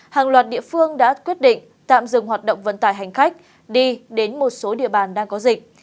hàng loạt địa phương đã quyết định tạm dừng hoạt động vận tải hành khách đi đến một số địa bàn đang có dịch